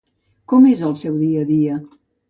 Com és el seu dia a dia?